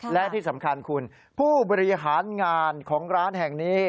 และที่สำคัญคุณผู้บริหารงานของร้านแห่งนี้